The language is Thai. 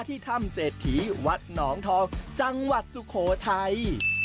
ที่ถ้ำเศรษฐีวัดหนองทองจังหวัดสุโขทัย